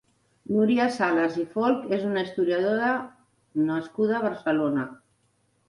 Núria Sales i Folch és una historiadora nascuda a Barcelona.